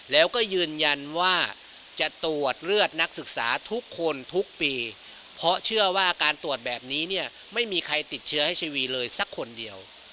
แล้วก็ยืนยันว่าจะตรวจเลือดนักศึกษาทุกคนทุกปีเพราะเชื่อว่าการตรวจแบบนี้เนี่ยไม่มีใครติดเชื้อให้ทีวีเลยสักคนเดียว